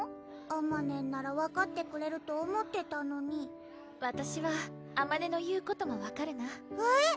あまねんなら分かってくれると思ってたのにわたしはあまねの言うことも分かるなえっ？